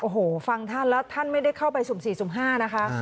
โอ้โหฟังท่านแล้วท่านไม่ได้เข้าไปสุ่ม๔สุ่ม๕นะคะ